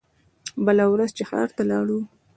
بله ورځ چې ښار ته لاړو.